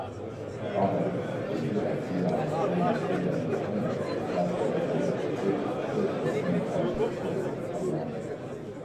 Laada tutvustuses on kirjas, et Nõialaadale kogunevad tegijad-nägijad-valmistajad, kelle käest saab osta energeetiliseks tööks või enese arendamiseks sobivaid abivahendeid.